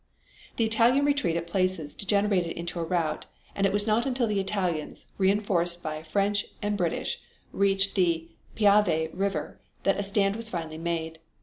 The Italian retreat at places degenerated into a rout and it was not until the Italians, reinforced by French and British, reached the Piave River, that a stand was finally made.